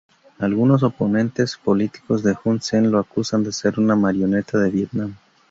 Algunos oponentes políticos de Hun Sen lo acusan de ser una marioneta de Vietnam.